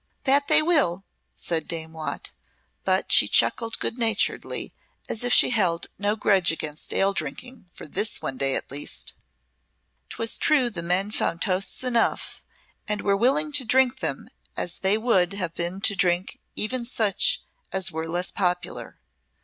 "That will they," said Dame Watt, but she chuckled good naturedly, as if she held no grudge against ale drinking for this one day at least. 'Twas true the men found toasts enough and were willing to drink them as they would have been to drink even such as were less popular.